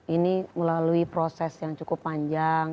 ini melalui proses yang cukup panjang